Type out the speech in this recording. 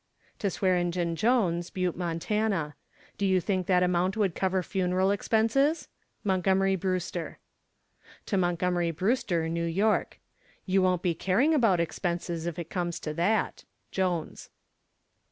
TO SWEARENGEN JONES, Butte, Mont. Do you think that amount would cover funeral expenses? MONTGOMERY BREWSTER. To MONTGOMERY BREWSTER, New York. You won't be caring about expenses if it comes to that. JONES.